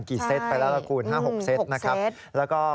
กี่เซตไปแล้วละกูล๕๖เซตนะครับแล้วก็๖เซต